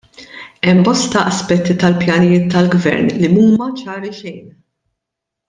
Hemm bosta aspetti tal-pjanijiet tal-gvern li mhuma ċari xejn.